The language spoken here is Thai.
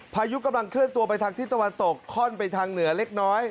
พายุกำลังเคลื่อนตัวไปทางที่ตะวันตกคล่อนไปทางเหนือเล็กน้อย